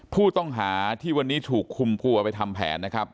ผู้ต้องหาที่วันนี้ถูกคุมตัวไปทำแผนนะครับ